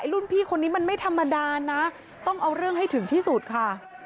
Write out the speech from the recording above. รุ่นพี่คนนี้มันไม่ธรรมดานะต้องเอาเรื่องให้ถึงที่สุดค่ะ